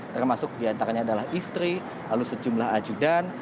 termasuk diantaranya adalah istri lalu sejumlah ajudan